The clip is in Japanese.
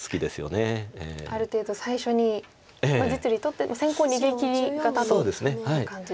ある程度最初に実利取って先行逃げきり型という感じですか。